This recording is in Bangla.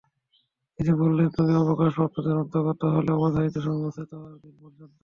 তিনি বললেন, তুমি অবকাশ প্রাপ্তদের অন্তর্ভুক্ত হলে—অবধারিত সময় উপস্থিত হওয়ার দিন পর্যন্ত।